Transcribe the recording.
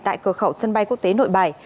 tại cửa khẩu sân bay quốc tế nội bài